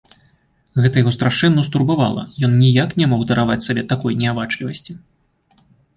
Гэта яго страшэнна ўстурбавала, ён ніяк не мог дараваць сабе такой неабачлівасці.